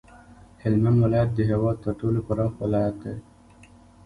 هلمند ولایت د هیواد تر ټولو پراخ ولایت دی